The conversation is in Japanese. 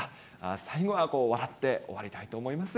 最後はこう、笑って終わりたいと思います。